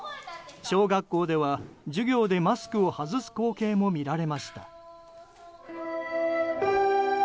小学校では授業でマスクを外す光景も見られました。